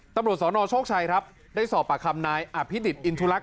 ตำรวจสนโชคชัยครับได้สอบปากคำนายอภิดิษฐอินทุลักษ